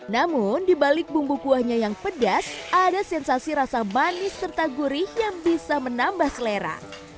namun dibalik bumbu kuahnya yang pedas ada sensasi rasa manis serta gurih yang bisa menambah selera